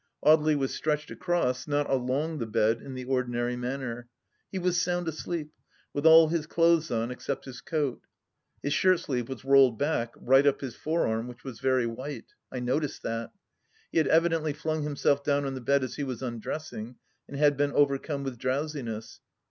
Audely was stretched across, not along the bed in the or dinary manner. He was soimd asleep, with all his clothes on except his coat. His shirt sleeve was rolled back right up his forearm, which was very white. I noticed that. He had evidently flung himself down on the bed as he was undressing, and had been overcome with drowsiness.